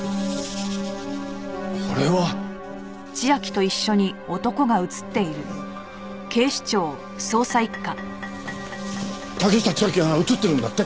これは！竹下千晶が映ってるんだって？